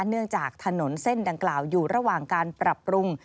เนื่องจากถนนเส้นดังกล่าวอยู่ระหว่างการปรับปรุง